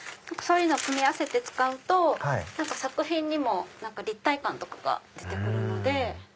そういうのを組み合わせて使うと作品にも立体感とかが出て来るので。